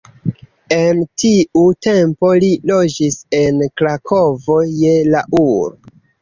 En tiu tempo li loĝis en Krakovo je la ul.